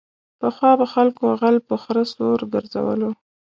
پخوا به خلکو غل په خره سور گرځولو.